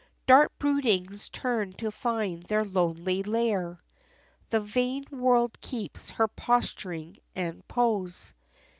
Dark broodings turn to find their lonely lair; The vain world keeps her posturing and pose.